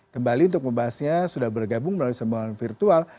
kembali untuk membahasnya sudah bergabung melalui sambungan virtual